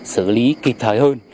xử lý kịp thời hơn